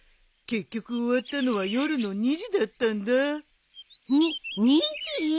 結局終わったのは夜の２時だったんだ。に２時！？